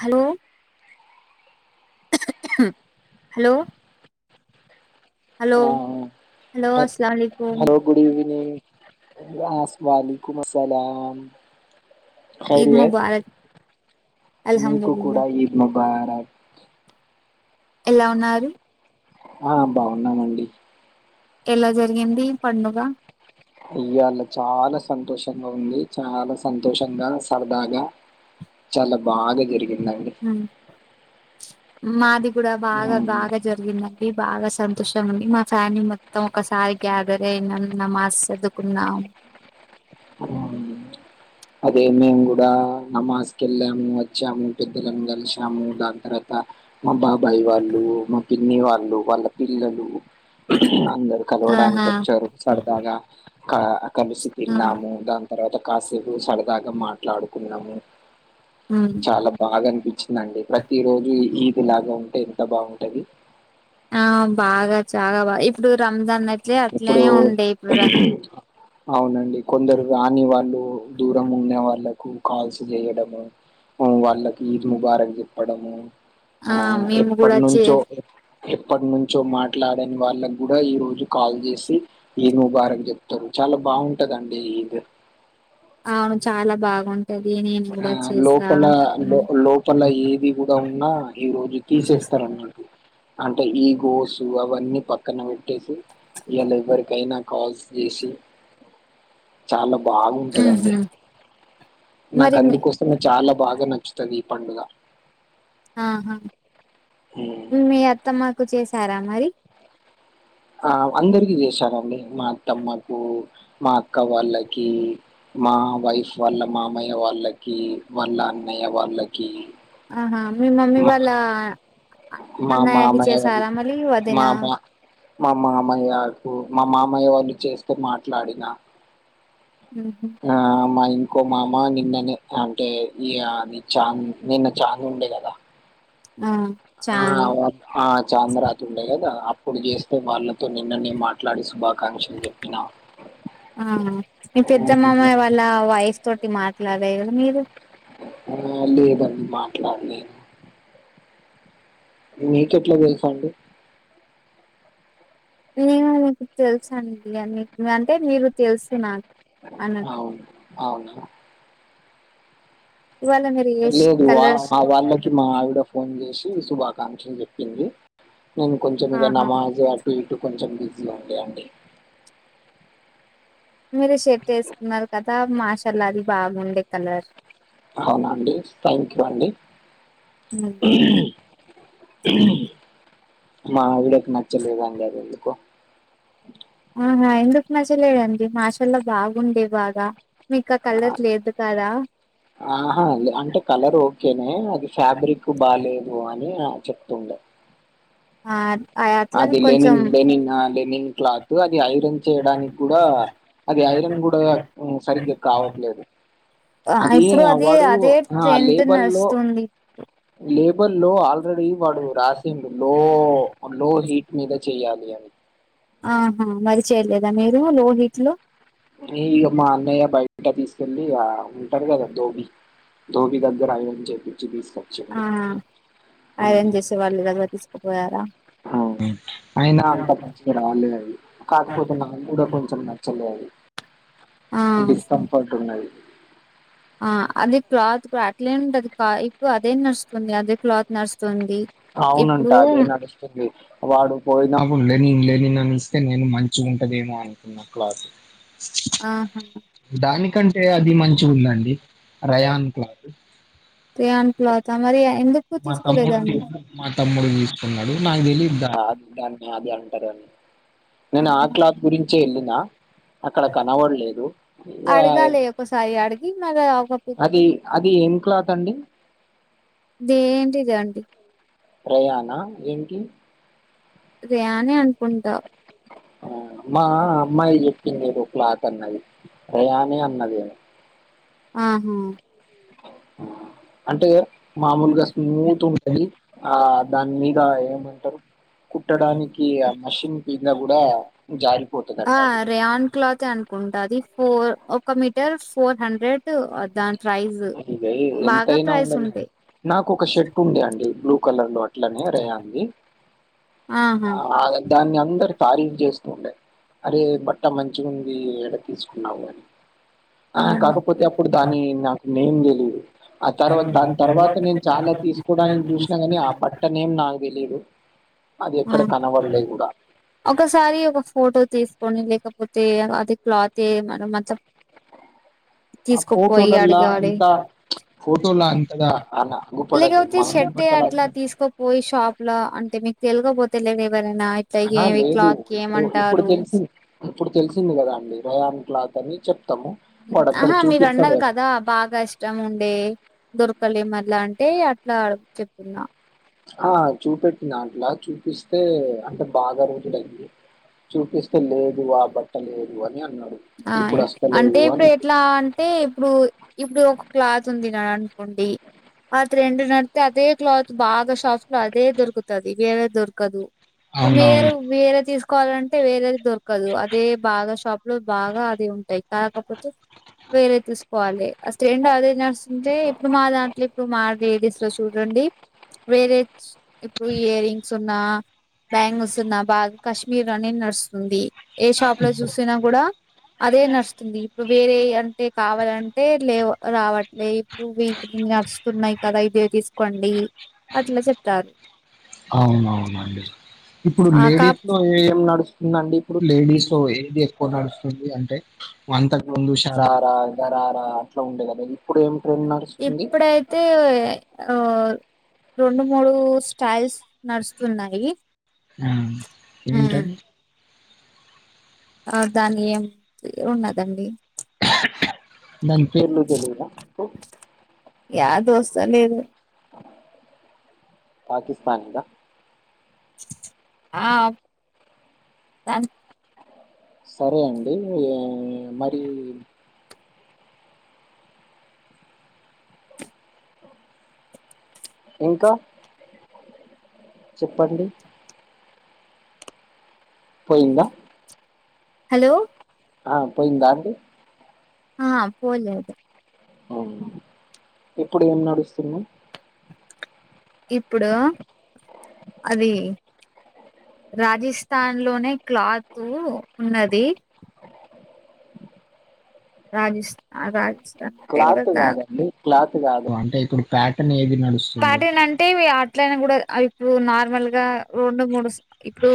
Hello hello hello ఆ hello అస్సలాంకుం hello good evening ఆ స్వాలీకో సలాం హాయ్ ఈద్ డియర్ ముబారక్ మీకు అల్హందుల్లా కూడా ఈ మ్ భారత్ ఎలా ఉన్నారు ఆ బాగున్నామండి ఎలా జరిగింది పండుగ అయ్యాళ చాలా సంతోషంగా ఉంది చాలా సంతోషంగా సరదాగా చాలా బాగా జరిగిందండి ఉమ్, మాది కూడా బాగా ఉమ్. బాగా జరిగిందండి అండి బాగా సంతోషం ఉంది మా ఫ్యామిలీ మొత్తం ఒకసారి గ్యాదర్ ఐ నాన్ నమస్ సుదుకున్నాం ఆ అదే మేము కూడా నమాజ్ కి వెళ్ళాము వచ్చాము పెద్దలను కలిచాము దాని తర్వాత మా బాబాయి వాళ్ళు మా పిన్ని వాళ్ళు వాళ్ళ పిల్లలు అందరు కలవడానికి ఆహా వచ్చారు సరదాగా కా కలిసి ఆ తిన్నాము దాని తర్వాత కాసేపు సరదాగా మాట్లాడుకున్నాము ఉమ్, చాలా బాగా అనిపించిందండి ప్రతి రోజు ఈ ఇలాగా ఉంటే ఎంత బాగుంటది ఆ బాగా చాగా బాగా ఇప్పుడు రంజాన్ అట్లే ఇప్పుడు అట్లనే ఉండే ఇప్పుడు రం అవునండి కొందరు రాని వాళ్ళు దూరం ఉండే వాళ్ళ కు కాల్స్ జెయడము వాళ్ళకి ఈద్ ముబారక్ చెప్పడము ఆ మేము ఎప్పట్ కూడా చే నుంచో ఎప్పట్ నుంచో మాట్లాడని వాళ్ళకి కూడా ఈ రోజు కాల్ చేసి ఈద్ ముబారక్ చెప్తారు చాలా బాగుంటదండి ఇది అవును చాలా బాగుం ఆ లోపల లో ఉమ్, లోపల ఏది కూడా ఉన్నా ఈ రోజు తీసేస్తారం అంటే ఈ గోసు అవన్నీ ప పక్కన పెట్టేసి ఇయల ఎవర్కయినా కాల్స్ చేసి చాలా బాగుంటదండి ఉహుం. నాకు మరి మీ- అందుకోస్తమే చాలా బాగా నచ్చుతాది ఈ పండుగ ఆహా ఉమ్. మీ అత్తమ్మకు చేసారా మరి ఆ అందరికి చేశామండి మా అత్తమ్మకు మా అక్క వాళ్ళకి మా వైఫ్ వాళ్ళ మామయ్య వాళ్ళకి వాళ్ళ అన్నయ్య వాళ్ళకి ఆహా మీ మమ్మీ మా వాళ్ళ మా అన్నయ్యకి మామయ్య వాల్ చేసారా మరి వదిన మామా మా మామయకు మా మామయ్య వాళు చేస్తే మాట్లాడినా ఉహు. ఆ మై ఇంకో మామ నిన్ననే అంటే ఇయా చాంద్ నిన్న చాంద్ ఉండే కదా ఆ ఆ చాలు ఆ చాంద రాత్ ఉండే కదా అప్పుడు చేస్తే వాళ్ళ నిన్ననే మాట్లాడి శుభాకాంక్షలు చెప్పినా ఆ మీ పెద్దమామయ్య వాళ్ళ వైఫ్ తోటి మాట్లాడేరీ మీరు ఆ లేదండి మాట్లాడి లేదు మీకెట్లా తెల్స్ అండి నేను మీకు తెలుసండి అన్ని అంటే మీరు తెలుసు నాక్ అవున్ అవున ఇవాళ మీరు ఏ లేదు వ కలర్ మా వాళ్ళకి మా ఆవిడ ఫోన్ చేసి శుభాకాంక్షలు చెప్పింది నేను కొంచెం ఇ ఆహా నమాజ్ అటు ఇటు కొంచెం అంటే అండి మీరు షర్ట్ వేసుకున్నారు కదా మాషల్ అది బాగుండే కలర్ అవునాండి థ్యాంక్ యూ అండి మ్ మా ఆవిడకి నచ్చలేదండి అది ఎందుకో ఆహా ఎందుకు నచ్చలేదండి మాషల్లో బాగుండే బాగా మీకు ఆ కలర్ లేదు కదా ఆహా అంటే కలర్ ఓకేనే అది ఫ్యాబ్రిక్ బాలేేదు అని చెప్తుండే ఆ అట్లనే అది కొంచెం లెనిన్ లెనిన్ ఆ లెనిన్ క్లాత్ అది ఐరన్ చేయడానికి కూడా అది ఐరన్ కూడా సరిగ్గా కావట్లేదు ఆ అది ఇప్పుడు వాడు అదే ఆ ట్రెండ్ లేబల్ లో నడుస్తుంది లేబ్ బుల్లో ఆల్రెడీ వాడు రాసిండు లో లో హీట్ మీద చెయ్యాలి అని ఆహా మరి చేయలేదా మీరు లో హీట్ లో ఇగ మా అన్నయ్య బయట తీసుకెళ్ళలి ఆ ఉంటారు కదా దోబీ ధోబీ దగ్గర ఐరన్ చేపి ఆ ఐరన్ చేసే వాళ్ళు దగ్గర తీసుకపోయారా అవును అయినా అంత మంచిగా రాలే అది కాకపోతే నక్ కూడా కొంచెం నచ్చలే అది ఆ డిస్కంఫర్ట్ ఉన్నది ఆ అది క్లాత్ అట్లే ఉంటది కా ఇప్పుడు అదే నడుస్తుంది అదే క్లాత్ నడుస్తుంది అవునంట ఇప్పుడు అదే నడుస్తుంది వాడు పోయినా ప్ లెనిన్ లెనిన్ అని ఇస్తే నేను మంచిగా ఉంటదేమొ అనుకున్నా క్లాత్ ఆహా దానికంటే అది మంచిగుందండి రేయాన్ క్లాత్ రేయన్ క్లాత మరి ఆ ఎందు మా తమ్ముడు తి మా తమ్ముడు తీసుకున్నాడు నాకు తెలిద్ ద దాని ట్ల అంటారని నేను ఆ క్లాత్ గురించే వెళ్ళినా అక్కడ కనపడలేదు ఇగ అడగాలి ఒకసారి అడిగి మరి ఒక అది అది ఏం క్లాత్ అండి దేంటి దాండి రేయానా ఏంటి రేయనే అనుకుంటా అ మా అమ్మాయి చెప్పింది ఎదో క్లాత్ అన్నది రేయానే అన్నదెమొ ఆహా అంటే మామూలుగా స్మూత్ గ ఉంటది ఆ దాని మీద ఏమంటారు కుట్టడానికి ఆ మీషిన్ మీద కూడా జార్ ఆ రేయన్ క్లాతే అనుకుం ట అది ఫోర్ ఒక మీటర్ ఫోర్ హండ్రెడ్ దా ఇగ ఎంతైనా ఉండని ఉంటాయి నాకోక షర్ట్ ఉండే అండి బ్లూ కలర్ లో అట్లనే రేయాన్ది ఆహా ఆ దాన్ని అందరు తారీక్ చేస్తుండే అరే బట్ట మంచిగుంది ఎడ తీసుకున్నావు అని ఆ హ్మ్. కాకపోతే అప్పుడు దాని నాకు నేమ్ తెలీదు ఆ తర్వాత దాని తర్వాత నేను చాలా తీసుకోవడానికి చూసినా కాని ఆ బట్ట నేమ్ నాకు తెలీదు అది ఆ ఎక్కడ కనబడలే కూడా ఒకసారి ఒక ఫోటో తీసుకొని లేకపో తే అది క్లాత్ మన మత ఆ తీసుకుపోయి ఫోటోలల్లా అడుగు ఆడే అంతా ఫోటోలా అంతగా అన అగుపడదు లేకపోతే ష మామూలు టే అట్లా బట్టలాగా తీసుకపోయి షాప్ ల అంటే మీకు తెల్వపో ఆ లేదు కి ఇప్పుడు ఇప్పుడు ఏమంటారు తెలిసింది ఇప్పుడు తెలిసింది కదా అండి రేయాన్ క్లాతని చెప్ ఆహా మీరన్నారు కదా బాగా ఇష్టముండే దొర్కలే మల్ల అంటే అట్లా చెప్తున్నా ఆ చూపెట్టింది అట్లా చూపిస్తే అంటే బాగా రోజులైంది చూపి లేదు ఆ బట్ట లేదు అని అన్నాడు ఆ ఇప్పుడు అంటే వస్తలేదు ఇప్పుడు అన్ది ఎట్లా అంటే ఇప్పుడు ఇప్పుడు ఒక క్లాత్ ఉంది కదానకోండి ఆ రెండు నడిత్తే అదే క్లాత్ బాగా షాఫ్ లో అదే దొరుకుతది వేరే దొరకదు ఇప్పుడు మీరు అవునవును వేరే తీసుకోవాలంటే వేరేది దొర కదు అదే బాగా షాప్ లో బాగా అదే ఉంటయ్ కాకపోతే వేరే తీసుకోవాలె అ స్టెండ్ అదే నడుస్తుంటే ఇప్పుడు మా దాంట్ల ఇప్పుడు మా లేడీస్ లో చూడండి వేరే ఇప్పుడు ఇయర్ రింగ్స్ ఉన్నా బ్యాంగల్స్ ఉన్నా బాగా కశ్మీర్ రన్నింగ్ నడుస్తుంది ఏ షాప్ లో చూసినా కూడా అదే నడుస్తుంది ఇప్పుడు వేరేయి అంటే కావాలంటే లేవ్ రావట్లే ఇప్పుడు వీ నడుస్తున్నాయి కదా ఇదే తీసుకోండి అట్లా చెప్తారు అవునవునండి ఇప్పుడు ఆ కా లేడీస్ లో ఏం నడుస్తుందండి ఇప్పుడు లేడీస్ ఏది ఎక్కువ నడుస్తుంది అంటే అంతకు ముందు శరార ఉబార అట్లా ఉండేకదా ఇప్పుడైతే ఆ రొండు మూడు స్టైల్స్ నడుస్తున్నాయి ఆ ఏంటది ఆ దాన్ని ఏం పేరున్నదండి దాని పేర్లు తెలీదా యా దోస్త లేదు పాకిస్తాన్ దా ఆ [unintelligible] సరే అండి మరీ ఇంకా చెప్పండి పొయిందా హలో ఆ పోయిందా అండి ఆ పోలేదు అవునా ఇప్పుడేం నడుస్తుంది ఇప్పుడా అది రాజెస్థాన్ లోనే క్లాత్ ఉన్నది రాజస్థా రాజ్ క్లాత్ కాదండి క్లాత్ కాదు అంటే ఇప్పుడు ప్యాటర్న్ ఏది నడుస్తుంది ప్యాటర్న్ అంటే వియా ఎట్లైనా కూడా అవి ఇప్పుడు నార్మల్గా రొండు మూడు ఇప్పుడు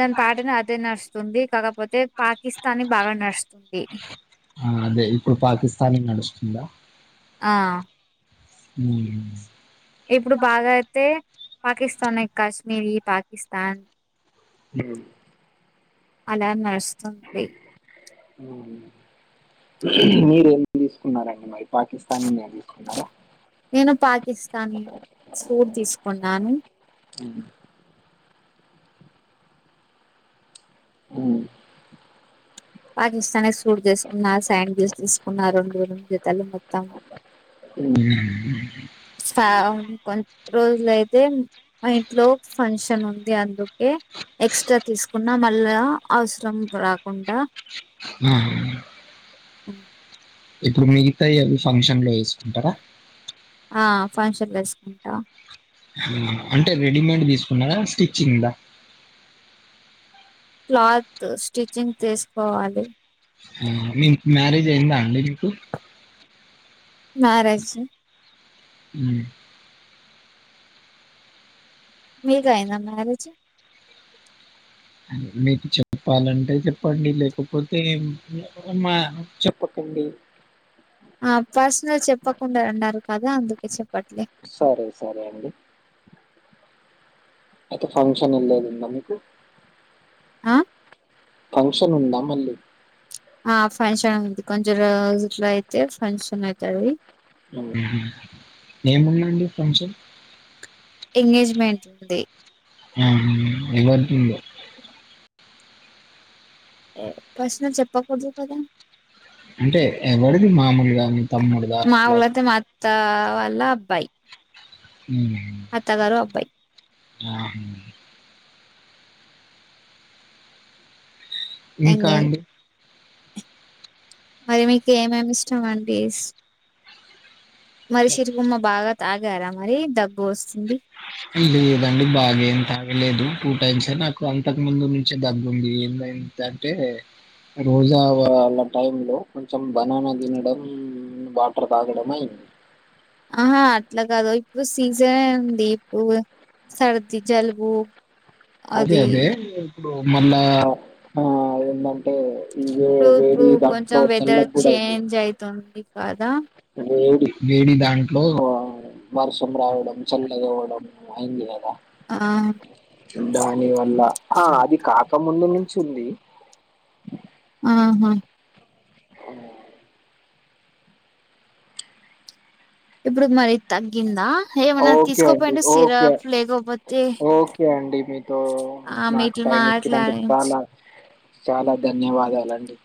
దాని పాటన్ అదే నడుస్తుంది కాకపోతే పాకిస్తాన్నీ బాగా నడుస్తుంది ఆ అదే ఇప్పుడు పాకిస్తాంది నడుస్తుందా ఆ ఉమ్ ఇప్పుడు బాగా అయితే పాకిస్తాన్ ఏ కాశ్మీర్ పాకిస్తాన్ ఉమ్ అలా నడుస్తుంది ఉమ్ మీరేం తీసుకున్నారండి మరి. పాకిస్తానీ ఇండియా తీసుకున్నారా. నేను పాకిస్తానీ సూట్ తీసుకున్నాను. ఉమ్. మ్ పాకిస్తానీ సూట్ తీసుకున్న శాండిల్స్ తీసుకున్న రెండు రెండు జతాలు మొత్తం ఉమ్ ఫ్యా కొన్. రోజులయితే మా ఇంట్లో ఫంక్షన్ ఉంది అందుకే. ఎక్స్ట్రా తీసుకున్నా మళ్ళా అవసరం రాకుండ. ఉమ్. ఆహ్. ఇప్పుడు మిగతాయి అవి ఫంక్షన్ లో ఎసుకుంటారా. ఆహ్ ఫంక్షన్లో వేసుకుంటాం. ఉమ్ అంటే రెడీమేడ్ తీసుకున్నారా స్టిచ్చింగ్ దా. క్లాత్ స్టిచ్చింగ్ తీసుకోవాలి. ఉమ్ మీకు మ్యారేజ్ అయిందా అండి మీకు. మ్యారేజ్. ఉమ్. మీకు అయిందా మ్యారేజ్. మీకు చెప్పాలంటే చెప్పండి లేకపోతే మా చెప్పక్. అండి. ఆహ్ పర్సనల్ చెప్పకుండా అన్నారు కదా అందుకే చెప్పట్లే. సరే సరే అండి. అయితే ఫంక్షన్ ఎల్లేది ఉందా మీకు. ఆహ్. ఫంక్షన్ ఉందా మళ్ళీ. ఆహ్ ఫంక్షన్ ఉంది కొంచం రోజు ఇట్లా అయితే ఫంక్షన్ ఐతది. ఉమ్ ఏముందండి ఫంక్షన్. ఎంగేజ్మెంట్ ఉంది ఆహ్ ఎవరిదుందో. పర్సనల్స్ చెప్పకూడదు కదా. అంటే ఎవరిది మామూలుగా మీ తమ్ముడిద అట్లా. కావళ అబ్బాయి. ఉమ్. అత్తగారు అబ్బాయి. ఆహ్. ఇంకా ఎంగేజ్ అండి. మరి మీకు ఏమేమి ఇష్టమండి [unintelligible] బాగా. తాగారా మరి దగ్గు వస్తుంది. ఉమ్ లేదండి బాగేం తాగా. లేదు టూ టైమ్సే నాకు అంతకు ముందు నుంచే దగ్గుంది ఏమైంది అంటే. రోజు ఆహ్ వాళ్ళా టైం లో కొంచం బనానా తినడం వాటర్ తాగడం అయింది. ఆహా అట్లా కాదు ఇప్పుడు సీజన్ ఉంది ఇప్పుడు. సర్ది జలుబు. అదే అది అదే ఇప్పుడు మళ్ళా ఆహ్ ఎందంటే. ఇప్పుడు ఇప్పుడు కొంచం చల్లగా వెదర్ కూడా అయింది చేంజ్ అయితుంది కదా. వేడి వేడి దాంట్లో వర్షం రావడం చలీ. ఓవడాం అయింది కదా. ఆ దాని వల్ల ఆహ్ అది కాకముందు నుంచి ఉంది. ఆహ్. ఉమ్. ఇప్పుడు మరి తగ్. ఓకే అండి ఓకే సిరప్ లేకపోతే ఓకే అండి మీతో. ఆ నాక్ మీట్లు టైం ఇచ్చినందుకు మాట్లాడి చాలా చాలా ధన్యవాదాలండి